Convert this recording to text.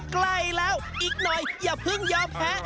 ใกล้แล้วอีกหน่อยอย่าเพิ่งยอมแพ้